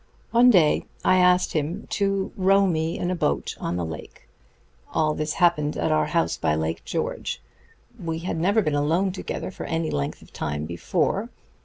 One day I asked him to row me in a boat on the lake all this happened at our house by Lake George. We had never been alone together for any length of time before.